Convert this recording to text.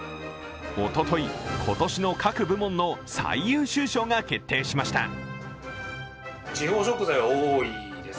おととい、今年の各部門の最優秀賞が決定しました。